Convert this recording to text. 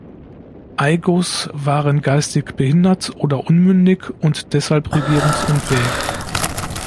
Aigos waren geistig behindert oder unmündig und deshalb regierungsunfähig.